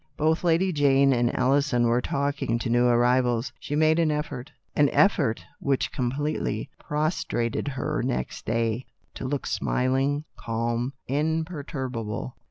Both Lady Jane and Alison were talking to new arrivals. She made an effort — an effort which completely prostrated her next day — to look smiling, calm, imperturbable.